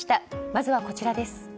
まずはこちらです。